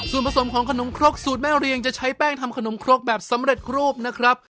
ส่วนผสมของขนมครกสูตรแม่เรียงจะใช้แป้งทำขนมครกแบบสำเร็จรูปนะครับ